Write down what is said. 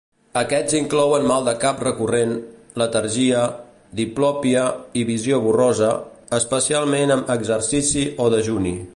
Aquests inclouen mal de cap recurrent, letargia, diplopia i visió borrosa, especialment amb exercici o dejuni.